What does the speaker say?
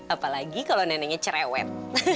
apalagi kalau neneknya cerewet